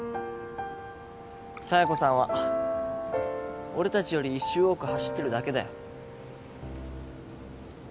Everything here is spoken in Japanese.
佐弥子さんは俺達より１周多く走ってるだけだよ